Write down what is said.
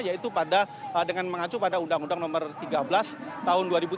yaitu dengan mengacu pada undang undang no tiga belas tahun dua ribu tiga